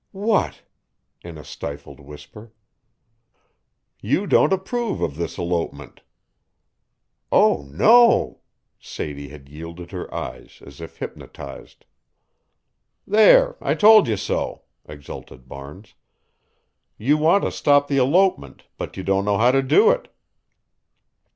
"What!" in a stifled whisper. "You don't approve of this elopement." "Oh, no!" Sadie had yielded her eyes as if hypnotized. "There, I told you so!" exulted Barnes. "You want to stop the elopement, but you don't know how to do it."